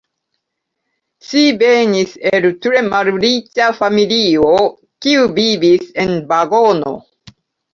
Ŝi venis el tre malriĉa familio kiu vivis en vagono.